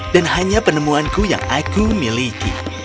dan hanya penemuanku yang aku miliki